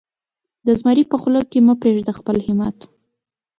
د زمري په خوله کې مه پرېږده خپل همت.